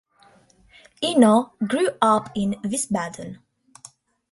Eno grew up in Wiesbaden.